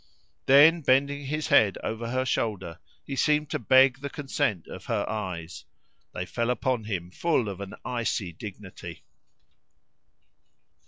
Then bending his head over her shoulder, he seemed to beg the consent of her eyes. They fell upon him full of an icy dignity.